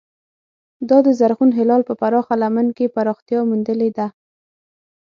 دا د زرغون هلال په پراخه لمن کې پراختیا موندلې ده.